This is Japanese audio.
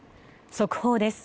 速報です。